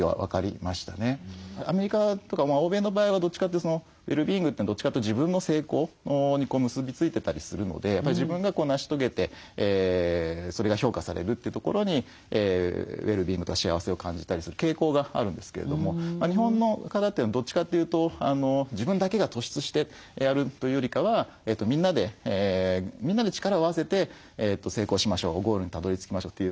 アメリカとか欧米の場合はどっちかというとウェルビーイングってどっちかというと自分の成功に結び付いてたりするので自分が成し遂げてそれが評価されるというところにウェルビーイングとか幸せを感じたりする傾向があるんですけれども日本の方ってどっちかというと自分だけが突出してやるというよりかはみんなで力を合わせて成功しましょうゴールにたどりつきましょうという。